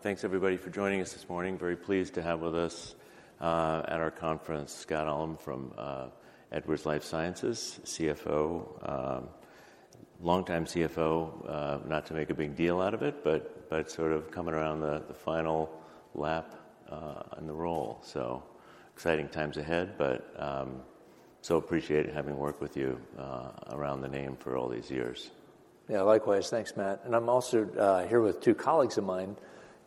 Thanks everybody for joining us this morning. Very pleased to have with us at our conference, Scott Ullem from Edwards Lifesciences CFO. Longtime CFO. Not to make a big deal out of it, but sort of coming around the final lap in the role. Exciting times ahead, but appreciate having worked with you around the name for all these years. Yeah, likewise. Thanks, Matt. I'm also here with two colleagues of mine,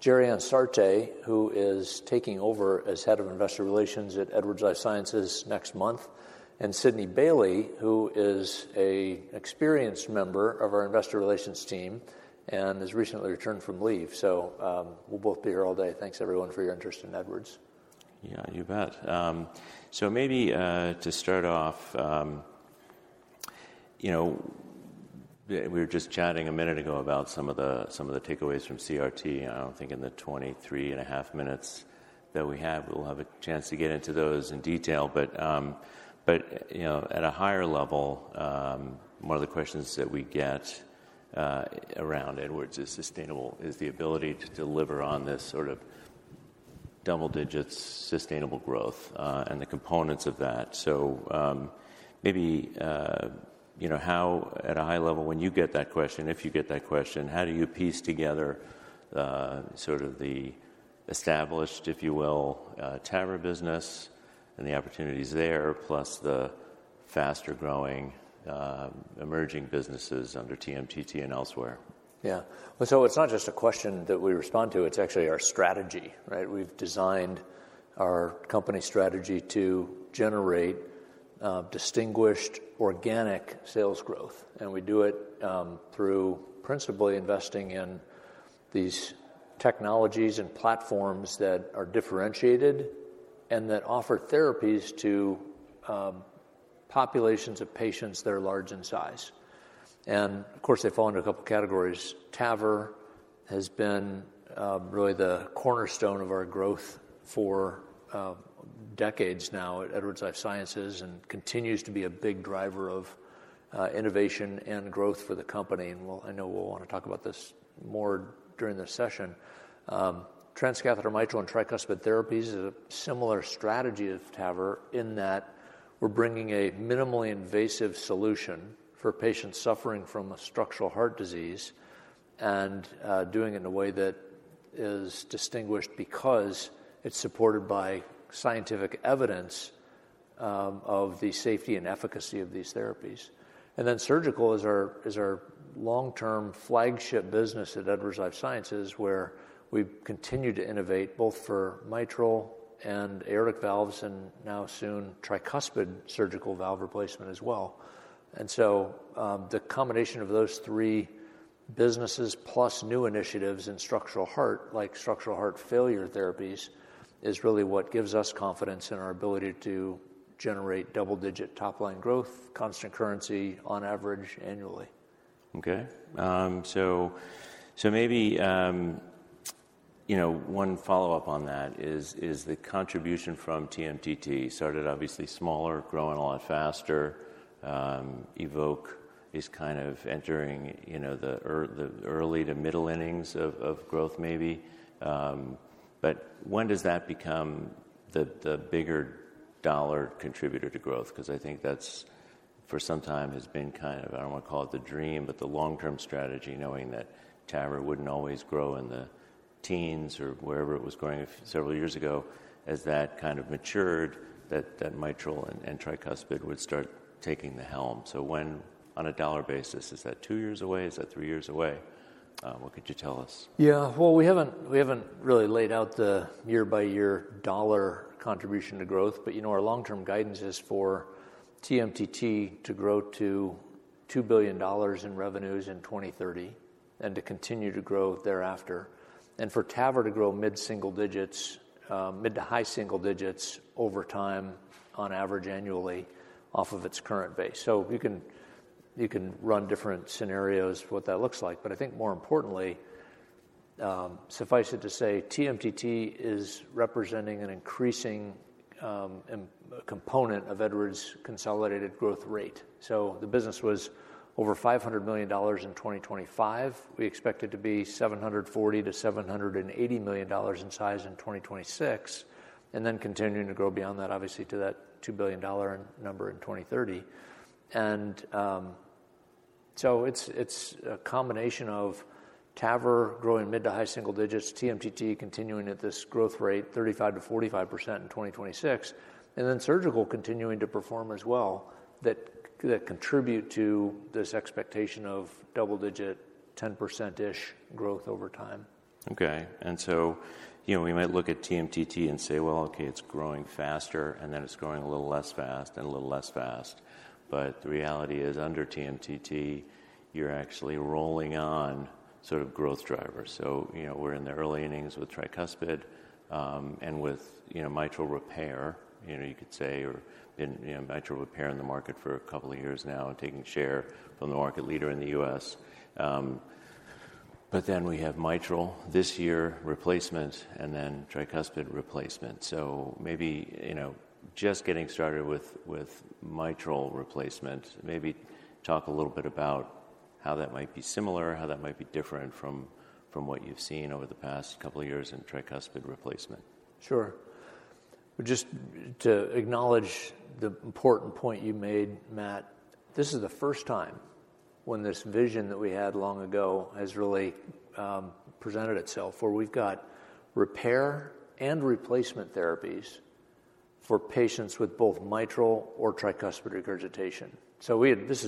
Gerianne Sarte, who is taking over as head of investor relations at Edwards Lifesciences next month, and Sydney Bailey, who is an experienced member of our investor relations team and has recently returned from leave. We'll both be here all day. Thanks everyone for your interest in Edwards. Yeah, you bet. Maybe to start off, you know, we were just chatting a minute ago about some of the takeaways from CRT, and I don't think in the 23 and a half minutes that we have, we'll have a chance to get into those in detail. You know, at a higher level, one of the questions that we get around Edwards is sustainable, is the ability to deliver on this sort of double-digit sustainable growth, and the components of that. Maybe you know, how at a high level, when you get that question, how do you piece together sort of the established, if you will, TAVR business and the opportunities there, plus the faster-growing emerging businesses under TMTT and elsewhere? Yeah. It's not just a question that we respond to, it's actually our strategy, right? We've designed our company strategy to generate distinguished organic sales growth, and we do it through principally investing in these technologies and platforms that are differentiated and that offer therapies to populations of patients that are large in size. Of course, they fall into a couple categories. TAVR has been really the cornerstone of our growth for decades now at Edwards Lifesciences and continues to be a big driver of innovation and growth for the company. I know we'll want to talk about this more during the session. Transcatheter mitral and tricuspid therapies is a similar strategy of TAVR in that we're bringing a minimally invasive solution for patients suffering from structural heart disease and, doing it in a way that is distinguished because it's supported by scientific evidence, of the safety and efficacy of these therapies. Surgical is our long-term flagship business at Edwards Lifesciences, where we've continued to innovate both for mitral and aortic valves and now soon tricuspid surgical valve replacement as well. The combination of those three businesses plus new initiatives in structural heart, like structural heart failure therapies, is really what gives us confidence in our ability to generate double-digit top-line growth, constant currency on average annually. Okay. Maybe you know, one follow-up on that is the contribution from TMTT started obviously smaller, growing a lot faster. EVOQUE is kind of entering, you know, the early to middle innings of growth maybe. But when does that become the bigger dollar contributor to growth? 'Cause I think that's for some time has been kind of, I don't wanna call it the dream, but the long-term strategy, knowing that TAVR wouldn't always grow in the teens or wherever it was growing several years ago, as that kind of matured, that mitral and tricuspid would start taking the helm. When on a dollar basis, is that two years away? Is that three years away? What could you tell us? Yeah. Well, we haven't really laid out the year-by-year dollar contribution to growth, but you know, our long-term guidance is for TMTT to grow to $2 billion in revenues in 2030 and to continue to grow thereafter. For TAVR to grow mid-single digits, mid to high single digits over time on average annually off of its current base. You can run different scenarios what that looks like. I think more importantly, suffice it to say, TMTT is representing an increasing component of Edwards' consolidated growth rate. The business was over $500 million in 2025. We expect it to be $740 million-$780 million in size in 2026, and then continuing to grow beyond that, obviously to that $2 billion number in 2030. It's a combination of TAVR growing mid to high single-digits, TMTT continuing at this growth rate, 35%-45% in 2026, and then surgical continuing to perform as well, that contribute to this expectation of double-digit, 10%-ish growth over time. Okay. You know, we might look at TMTT and say, well, okay, it's growing faster, and then it's growing a little less fast and a little less fast. The reality is, under TMTT, you're actually rolling on sort of growth drivers. You know, we're in the early innings with tricuspid and with mitral repair. You know, you could say we've been in the market for a couple of years now and taking share from the market leader in the U.S. We have mitral replacement this year and then tricuspid replacement. Maybe just getting started with mitral replacement. Maybe talk a little bit about how that might be similar, how that might be different from what you've seen over the past couple of years in tricuspid replacement. Sure. Just to acknowledge the important point you made, Matt, this is the first time when this vision that we had long ago has really presented itself, where we've got repair and replacement therapies for patients with both mitral or tricuspid regurgitation.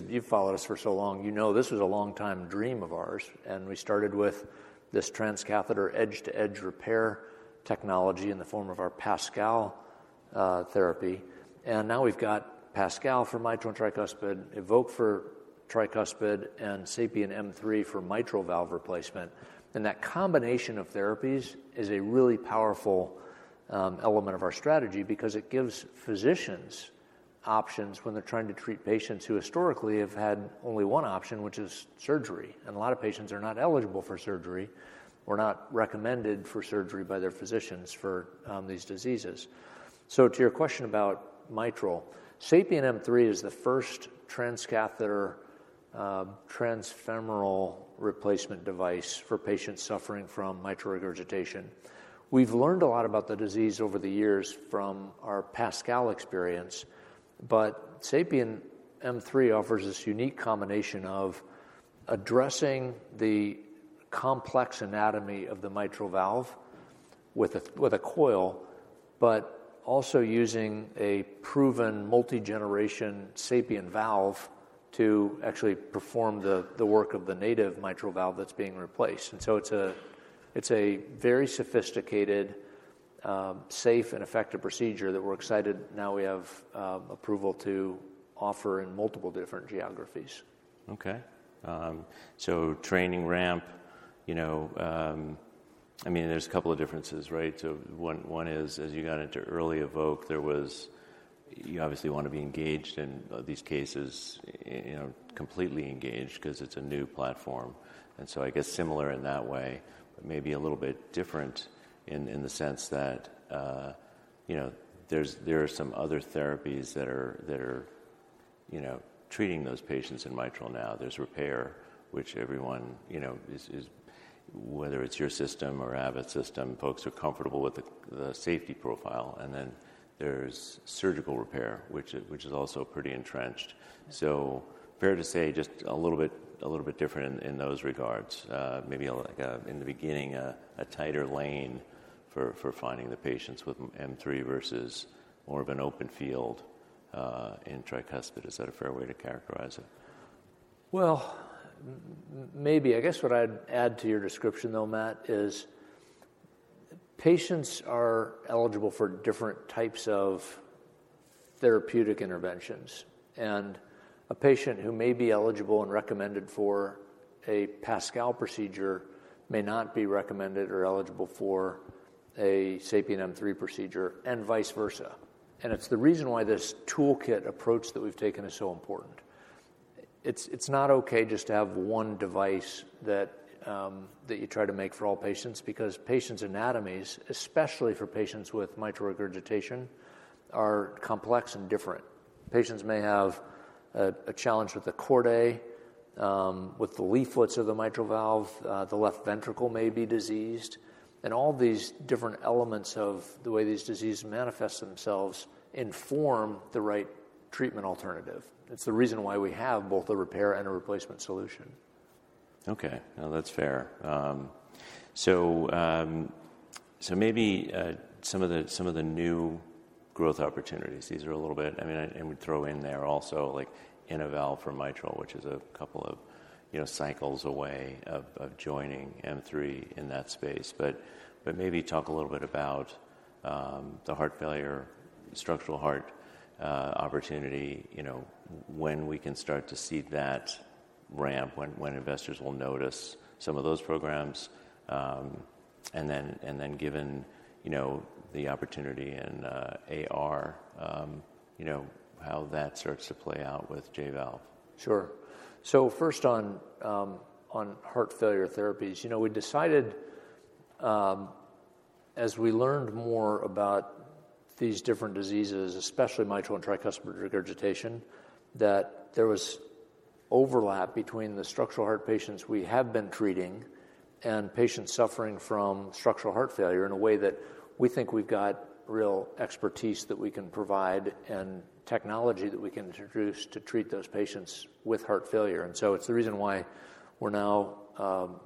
You've followed us for so long, you know this was a long time dream of ours, and we started with this transcatheter edge-to-edge repair technology in the form of our PASCAL therapy. Now we've got PASCAL for mitral and tricuspid, EVOQUE for tricuspid and SAPIEN M3 for mitral valve replacement. That combination of therapies is a really powerful element of our strategy because it gives physicians options when they're trying to treat patients who historically have had only one option, which is surgery. A lot of patients are not eligible for surgery or not recommended for surgery by their physicians for these diseases. To your question about mitral, SAPIEN M3 is the first transcatheter transfemoral replacement device for patients suffering from mitral regurgitation. We've learned a lot about the disease over the years from our PASCAL experience, but SAPIEN M3 offers this unique combination of addressing the complex anatomy of the mitral valve with a coil, but also using a proven multi-generation SAPIEN valve to actually perform the work of the native mitral valve that's being replaced. It's a very sophisticated, safe and effective procedure that we're excited now we have approval to offer in multiple different geographies. Okay. Training ramp, you know, I mean, there's a couple of differences, right? One is, as you got into early EVOQUE, you obviously wanna be engaged in these cases, you know, completely engaged 'cause it's a new platform, and so I guess similar in that way. Maybe a little bit different in the sense that, you know, there are some other therapies that are, you know, treating those patients in mitral now. There's repair, which everyone, you know, is. Whether it's your system or Abbott's system, folks are comfortable with the safety profile. Then there's surgical repair, which is also pretty entrenched. Fair to say just a little bit different in those regards. Maybe like, in the beginning, a tighter lane for finding the patients with M3 versus more of an open field in tricuspid. Is that a fair way to characterize it? Well, maybe. I guess what I'd add to your description though, Matt, is patients are eligible for different types of therapeutic interventions, and a patient who may be eligible and recommended for a PASCAL procedure may not be recommended or eligible for a SAPIEN M3 procedure, and vice versa. It's the reason why this toolkit approach that we've taken is so important. It's not okay just to have one device that you try to make for all patients because patients' anatomies, especially for patients with mitral regurgitation, are complex and different. Patients may have a challenge with the chordae, with the leaflets of the mitral valve, the left ventricle may be diseased. All these different elements of the way these diseases manifest themselves inform the right treatment alternative. It's the reason why we have both a repair and a replacement solution. Okay. No, that's fair. Maybe some of the new growth opportunities. These are a little bit. I mean, I would throw in there also, like, Innovalve for mitral, which is a couple of cycles away of joining M3 in that space. Maybe talk a little bit about the heart failure, structural heart opportunity. You know, when we can start to see that ramp, when investors will notice some of those programs. And then given, you know, the opportunity in AR, you know, how that starts to play out with J-Valve. Sure. First on heart failure therapies. You know, we decided, as we learned more about these different diseases, especially mitral and tricuspid regurgitation, that there was overlap between the structural heart patients we have been treating and patients suffering from structural heart failure in a way that we think we've got real expertise that we can provide and technology that we can introduce to treat those patients with heart failure. It's the reason why we're now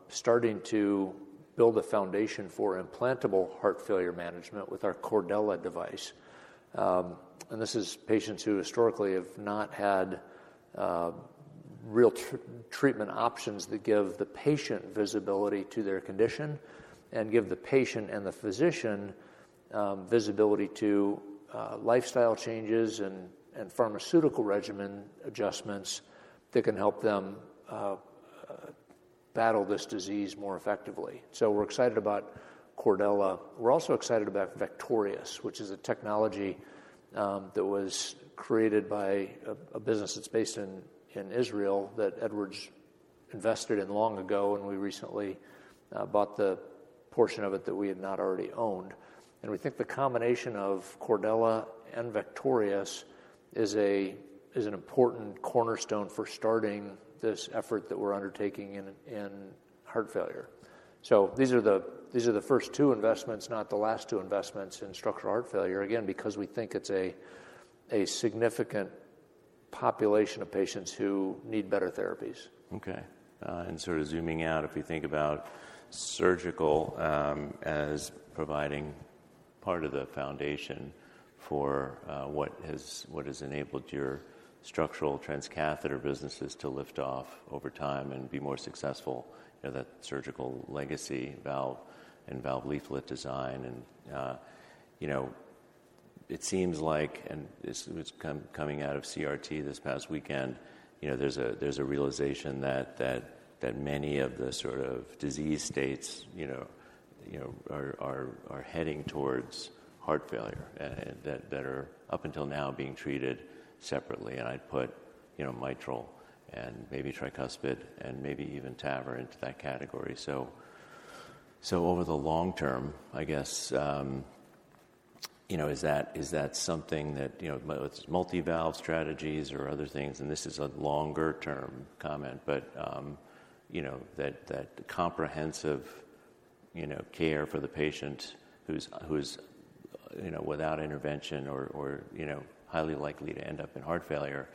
starting to build a foundation for implantable heart failure management with our Cordella device. This is patients who historically have not had real treatment options that give the patient visibility to their condition and give the patient and the physician visibility to lifestyle changes and pharmaceutical regimen adjustments that can help them battle this disease more effectively. We're excited about Cordella. We're also excited about Vectorious, which is a technology that was created by a business that's based in Israel that Edwards invested in long ago, and we recently bought the portion of it that we had not already owned. We think the combination of Cordella and Vectorious is an important cornerstone for starting this effort that we're undertaking in heart failure. These are the first two investments, not the last two investments in structural heart failure, again, because we think it's a significant population of patients who need better therapies. Okay. Sort of zooming out, if we think about surgical as providing part of the foundation for what has enabled your structural transcatheter businesses to lift off over time and be more successful. You know, that surgical legacy valve and valve leaflet design and, you know, it seems like this was coming out of CRT this past weekend. You know, there's a realization that many of the sort of disease states, you know, are heading towards heart failure, that are up until now being treated separately. I'd put, you know, mitral and maybe tricuspid and maybe even TAVR into that category. Over the long term, I guess, you know, is that something that, you know, whether it's multi-valve strategies or other things, and this is a longer term comment, but, you know, that comprehensive, you know, care for the patient who's, who is, you know, without intervention or, you know, highly likely to end up in heart failure,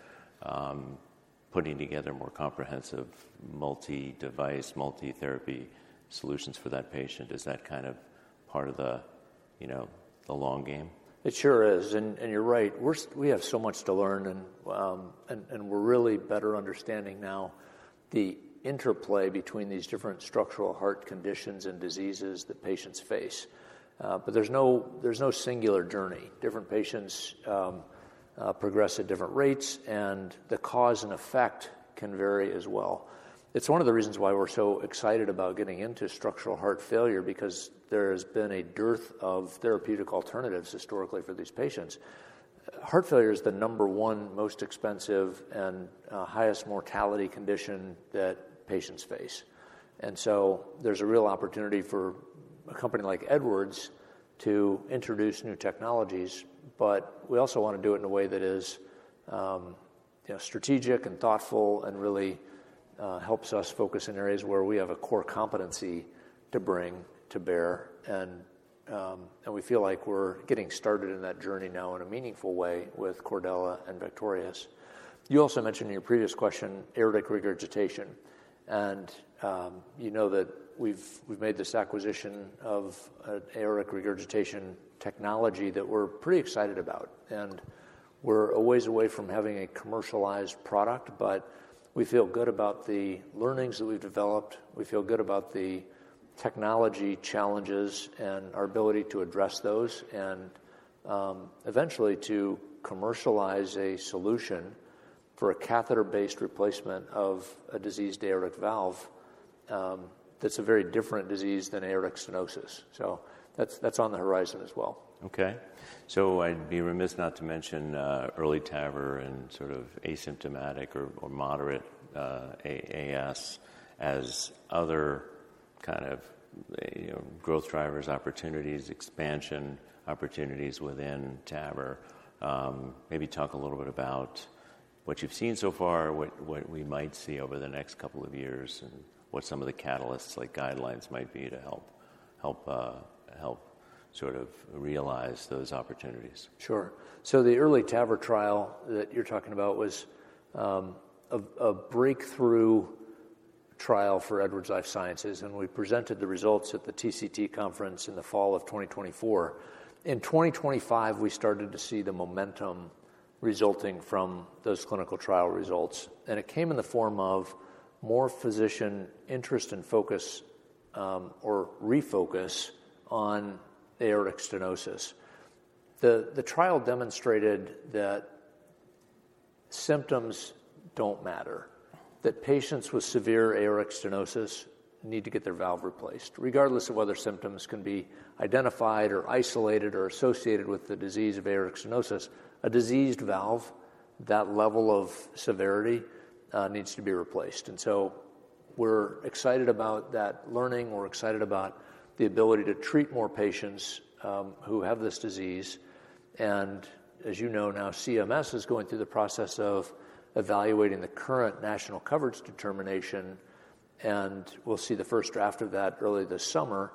putting together more comprehensive multi-device, multi-therapy solutions for that patient. Is that kind of part of the, you know, the long game? It sure is. You're right. We have so much to learn, and we're really better understanding now the interplay between these different structural heart conditions and diseases that patients face. There's no singular journey. Different patients progress at different rates, and the cause and effect can vary as well. It's one of the reasons why we're so excited about getting into structural heart failure because there has been a dearth of therapeutic alternatives historically for these patients. Heart failure is the number one most expensive and highest mortality condition that patients face. There's a real opportunity for a company like Edwards to introduce new technologies. We also wanna do it in a way that is, you know, strategic and thoughtful and really, helps us focus in areas where we have a core competency to bring to bear. We feel like we're getting started in that journey now in a meaningful way with Cordella and Vectorious. You also mentioned in your previous question aortic regurgitation, and, you know that we've made this acquisition of an aortic regurgitation technology that we're pretty excited about. We're a ways away from having a commercialized product, but we feel good about the learnings that we've developed. We feel good about the technology challenges and our ability to address those and, eventually to commercialize a solution for a catheter-based replacement of a diseased aortic valve. That's a very different disease than aortic stenosis. That's on the horizon as well. Okay. I'd be remiss not to mention EARLY TAVR and sort of asymptomatic or moderate AS as other kind of, you know, growth drivers, opportunities, expansion opportunities within TAVR. Maybe talk a little bit about what you've seen so far, what we might see over the next couple of years, and what some of the catalysts like guidelines might be to help sort of realize those opportunities. Sure. The EARLY TAVR trial that you're talking about was a breakthrough trial for Edwards Lifesciences, and we presented the results at the TCT conference in the fall of 2024. In 2025, we started to see the momentum resulting from those clinical trial results, and it came in the form of more physician interest and focus, or refocus on aortic stenosis. The trial demonstrated that symptoms don't matter, that patients with severe aortic stenosis need to get their valve replaced. Regardless of whether symptoms can be identified or isolated or associated with the disease of aortic stenosis, a diseased valve, that level of severity needs to be replaced. We're excited about that learning. We're excited about the ability to treat more patients who have this disease. As you know, now CMS is going through the process of evaluating the current national coverage determination, and we'll see the first draft of that early this summer.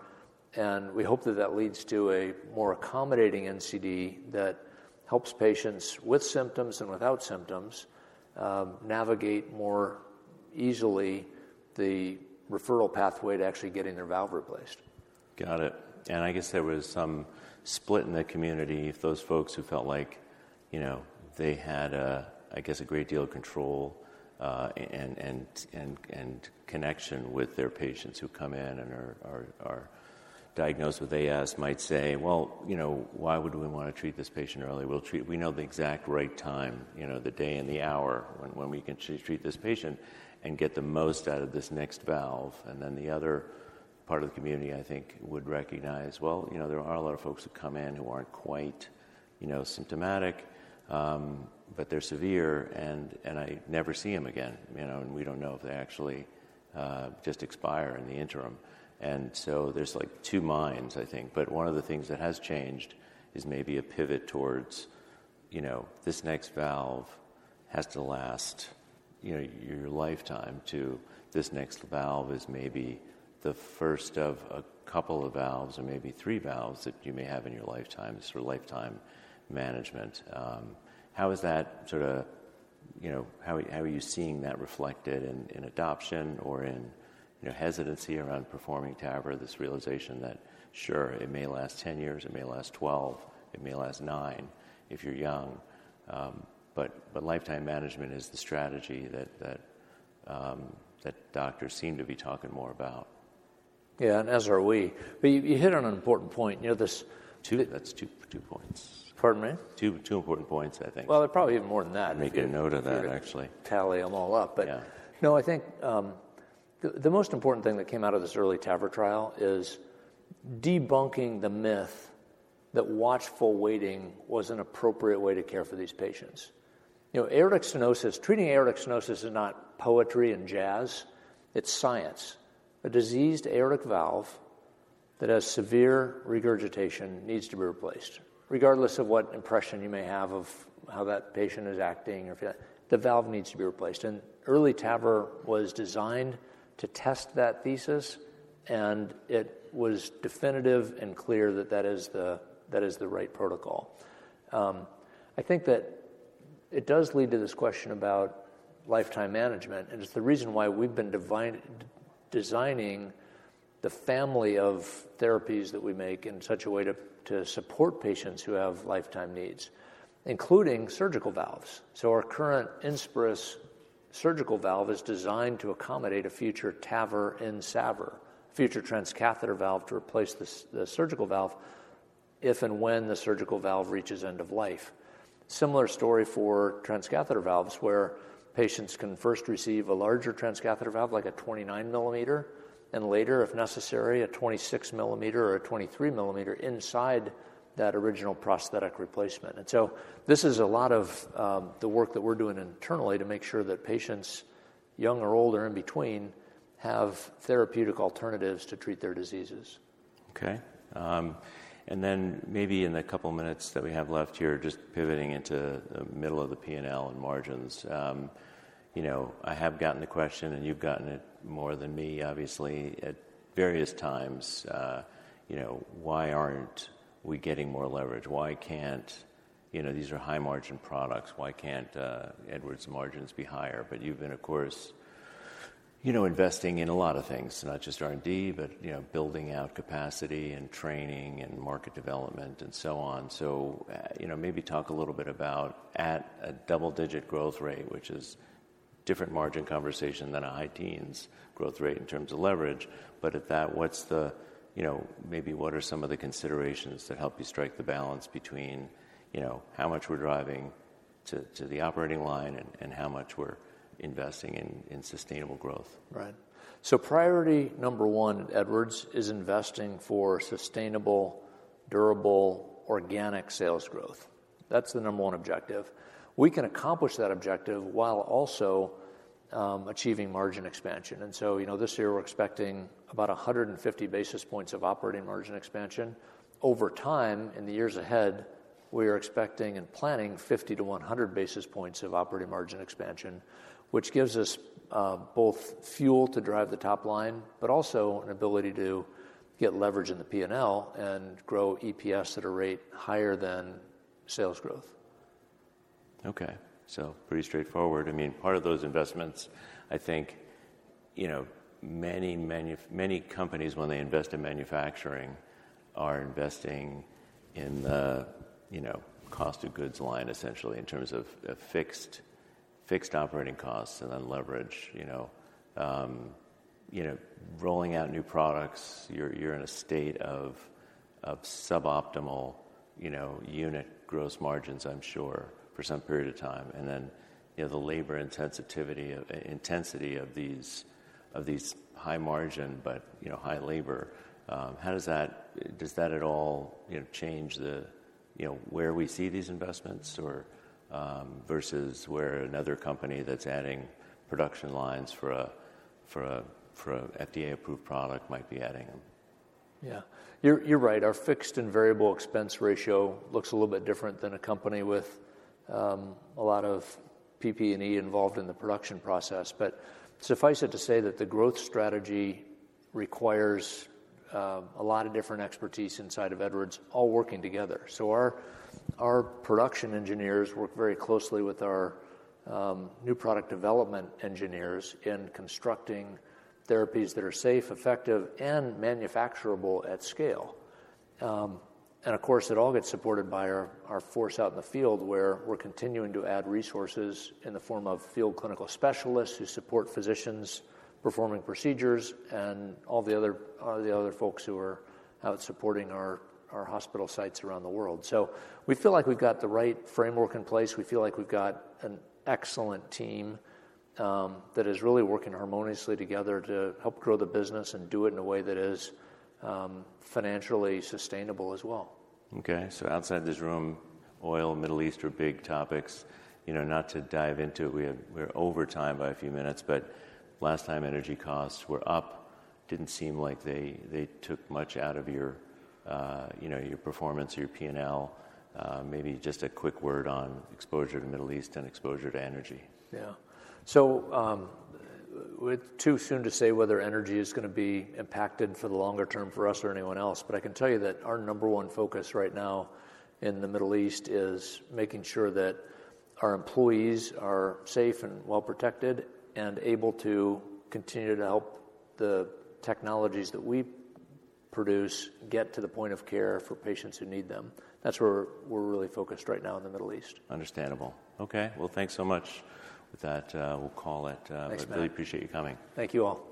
We hope that that leads to a more accommodating NCD that helps patients with symptoms and without symptoms, navigate more easily the referral pathway to actually getting their valve replaced. Got it. I guess there was some split in the community. If those folks who felt like, you know, they had a, I guess, a great deal of control and connection with their patients who come in and are diagnosed with AS might say, well, you know, why would we wanna treat this patient early? We know the exact right time, you know, the day and the hour when we can treat this patient and get the most out of this next valve. Then the other part of the community, I think, would recognize, well, you know, there are a lot of folks who come in who aren't quite, you know, symptomatic, but they're severe and I never see them again, you know. We don't know if they actually just expire in the interim. There's like two minds, I think. One of the things that has changed is maybe a pivot towards, you know, this next valve has to last, you know, your lifetime to this next valve is maybe the first of a couple of valves or maybe three valves that you may have in your lifetime. Sort of lifetime management. How is that sort of, you know? How are you seeing that reflected in adoption or in, you know, hesitancy around performing TAVR? This realization that, sure, it may last 10 years, it may last 12, it may last nine if you're young, but lifetime management is the strategy that doctors seem to be talking more about. Yeah. As are we. You hit on an important point. You know, this. That's two points. Pardon me? Two important points, I think. Well, probably even more than that if you. Make a note of that, actually. Tally them all up. Yeah. No, I think, the most important thing that came out of this EARLY TAVR trial is debunking the myth that watchful waiting was an appropriate way to care for these patients. You know, aortic stenosis, treating aortic stenosis is not poetry and jazz, it's science. A diseased aortic valve that has severe regurgitation needs to be replaced regardless of what impression you may have of how that patient is acting or feeling. The valve needs to be replaced. EARLY TAVR was designed to test that thesis, and it was definitive and clear that it is the right protocol. I think that it does lead to this question about lifetime management, and it's the reason why we've been designing the family of therapies that we make in such a way to support patients who have lifetime needs, including surgical valves. Our current INSPIRIS surgical valve is designed to accommodate a future TAVR-in-SAVR. Future transcatheter valve to replace the surgical valve if and when the surgical valve reaches end of life. Similar story for transcatheter valves, where patients can first receive a larger transcatheter valve, like a 29 mm, and later, if necessary, a 26 mm or a 23 mm inside that original prosthetic replacement. This is a lot of the work that we're doing internally to make sure that patients, young or old or in between, have therapeutic alternatives to treat their diseases. Okay. Maybe in the couple minutes that we have left here, just pivoting into the middle of the P&L and margins. You know, I have gotten the question and you've gotten it more than me, obviously, at various times. You know, why aren't we getting more leverage? You know, these are high margin products. Why can't Edwards margins be higher? You've been, of course, you know, investing in a lot of things, not just R&D, but you know, building out capacity and training and market development and so on. You know, maybe talk a little bit about at a double-digit growth rate, which is different margin conversation than a high teens growth rate in terms of leverage. At that, what's the, you know, maybe what are some of the considerations that help you strike the balance between, you know, how much we're driving to the operating line and how much we're investing in sustainable growth? Right. Priority number one at Edwards is investing for sustainable, durable, organic sales growth. That's the number one objective. We can accomplish that objective while also achieving margin expansion. You know, this year we're expecting about 150 basis points of operating margin expansion. Over time, in the years ahead, we are expecting and planning 50-100 basis points of operating margin expansion, which gives us both fuel to drive the top line, but also an ability to get leverage in the P&L and grow EPS at a rate higher than sales growth. Okay. Pretty straightforward. I mean, part of those investments, I think, you know, many companies when they invest in manufacturing are investing in the, you know, cost of goods line, essentially in terms of fixed operating costs and then leverage, you know. You know, rolling out new products, you're in a state of suboptimal, you know, unit gross margins I'm sure for some period of time. You know, the labor intensity of these high margin but high labor. How does that? Does that at all, you know, change the, you know, where we see these investments or versus where another company that's adding production lines for a FDA-approved product might be adding them? Yeah. You're right. Our fixed and variable expense ratio looks a little bit different than a company with a lot of PP&E involved in the production process. Suffice it to say that the growth strategy requires a lot of different expertise inside of Edwards all working together. Our production engineers work very closely with our new product development engineers in constructing therapies that are safe, effective, and manufacturable at scale. Of course, it all gets supported by our force out in the field, where we're continuing to add resources in the form of field clinical specialists who support physicians performing procedures and all the other folks who are out supporting our hospital sites around the world. We feel like we've got the right framework in place. We feel like we've got an excellent team that is really working harmoniously together to help grow the business and do it in a way that is financially sustainable as well. Okay. Outside this room, oil, Middle East are big topics. You know, not to dive into it, we're over time by a few minutes, but last time energy costs were up, didn't seem like they took much out of your, you know, your performance or your P&L. Maybe just a quick word on exposure to Middle East and exposure to energy. Yeah. Way too soon to say whether energy is gonna be impacted for the longer term for us or anyone else, but I can tell you that our number one focus right now in the Middle East is making sure that our employees are safe and well protected and able to continue to help the technologies that we produce get to the point of care for patients who need them. That's where we're really focused right now in the Middle East. Understandable. Okay, well, thanks so much. With that, we'll call it. Thanks, Matt. Really appreciate you coming. Thank you all.